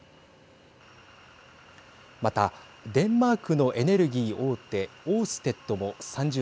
またデンマークのエネルギー大手オーステッドも３０日